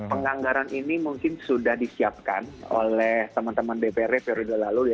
penganggaran ini mungkin sudah disiapkan oleh teman teman dprd periode lalu